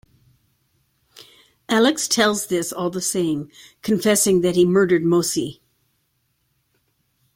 Alex tells this all the same confessing that he murdered Mosi.